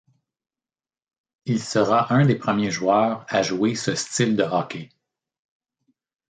Il sera un des premiers joueurs à jouer ce style de hockey.